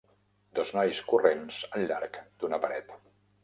Dos nois corrents al llarg d'una paret.